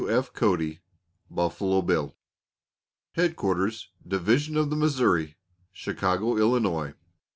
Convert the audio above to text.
W. F. CODY ("BUFFALO BILL"). [Illustration: HEADQUARTERS DIVISION OF THE MISSOURI. CHICAGO. ILLINOIS.